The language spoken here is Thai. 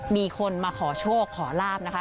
มีคนมาขอโชคขอลาบนะคะ